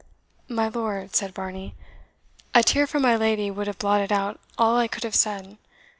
"My lord," said Varney, "a tear from my lady would have blotted out all I could have said.